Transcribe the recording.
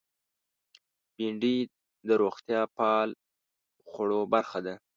بېنډۍ د روغتیا پال خوړو برخه ده